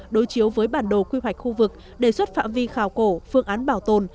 đối chiếu với bản đồ quy hoạch khu vực đề xuất phạm vi khảo cổ phương án bảo tồn